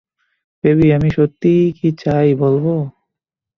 Baby, আমি সত্যিই কী চাই, বলবো?